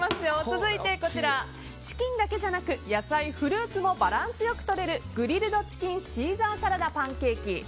続いて、チキンだけじゃなく野菜もフルーツもバランスよくとれるグリルドチキンシーザーサラダパンケーキ。